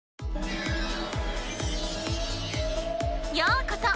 ようこそ！